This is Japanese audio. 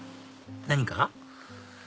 何か？